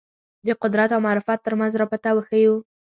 د قدرت او معرفت تر منځ رابطه وښييو